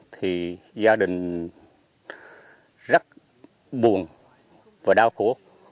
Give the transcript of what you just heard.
thì gia đình rất buồn và đau khổ